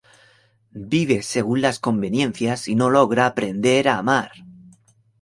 Vive según las conveniencias y no logra aprender a amar.